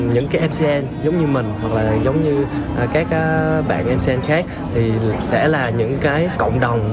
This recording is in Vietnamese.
những mcn giống như mình hoặc các bạn mcn khác sẽ là những cộng đồng